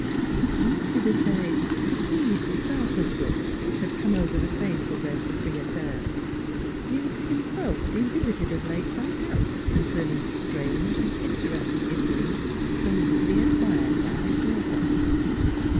M. Desaye perceived the startled look which had come over the face of their proprietaire. He had himself been visited of late by doubts con cerning the strange and interesting idioms, so easily acquired by his daughter.